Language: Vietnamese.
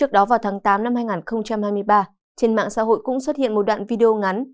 trước đó vào tháng tám năm hai nghìn hai mươi ba trên mạng xã hội cũng xuất hiện một đoạn video ngắn